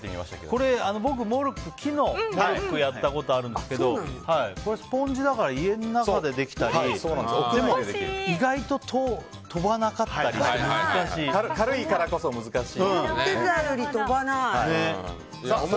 僕、木のモルックをやったことあるんですけどこれはスポンジだから家の中でできたりでも意外と飛ばなかったりして軽いからこそ難しい。